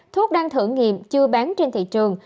thuốc đang thử nghiệm chưa bán trên thị trường